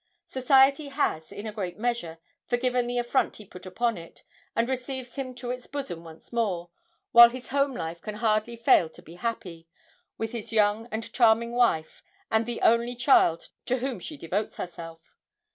Society has, in a great measure, forgiven the affront he put upon it, and receives him to its bosom once more, while his home life can hardly fail to be happy; with his young and charming wife, and the only child, to whom she devotes herself.